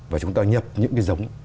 và chúng ta nhập những cái giống